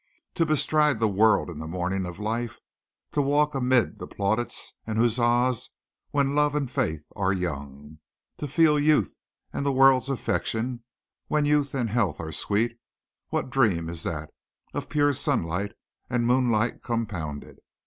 To bestride the world in the morning of life, to walk amid the plaudits and the huzzahs when love and faith are young; to feel youth and the world's affection when youth and health are sweet what dream is that, of pure sunlight and moonlight compounded.